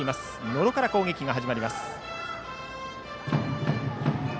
野呂から攻撃が始まります。